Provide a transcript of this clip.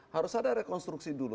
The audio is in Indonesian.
harus ada rekonstruksi dulu